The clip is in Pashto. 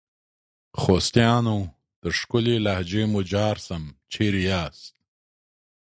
خوستیانو ! تر ښکلي لهجې مو جار سم ، چیري یاست؟